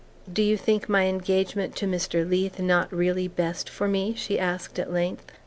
"Do you think my engagement to Mr. Leath not really best for me?" she asked at length.